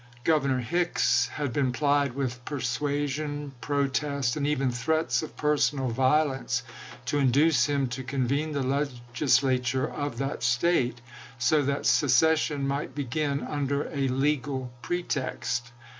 Governor Hicks had been plied with persua sion, protest, and even threats of personal violence, to induce him to convene the Legislature of that State, so that secession might begin under a legal pretext.